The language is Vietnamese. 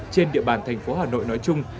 trên địa bàn thành phố hà nội nói chung